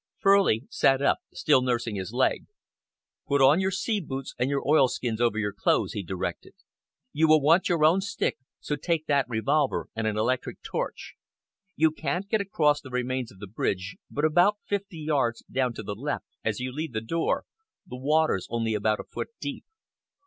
Furley sat up, still nursing his leg. "Put on your sea boots, and your oilskins over your clothes," he directed. "You will want your own stick, so take that revolver and an electric torch. You can't get across the remains of the bridge, but about fifty yards down to the left, as you leave the door, the water's only about a foot deep.